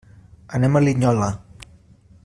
Anem a Linyola.